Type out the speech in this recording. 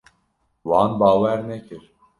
Wan bawer nekir.